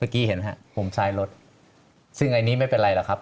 เมื่อกี้เห็นไหมครับมุมซ่ายรถซึ่งอันนี้ไม่เป็นไรหรอกครับ